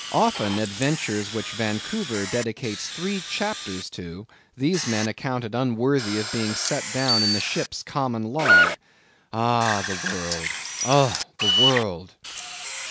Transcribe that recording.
Often, adventures which Vancouver dedicates three chapters to, these men accounted unworthy of being set down in the ship's common log. Ah, the world! Oh, the world!